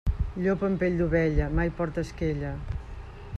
Llop amb pell d'ovella, mai porta esquella.